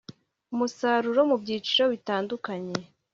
umusaruro mu byiciro bitandukanye